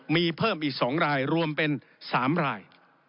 มีเพิ่มอีก๒รายรวมเป็น๓ราย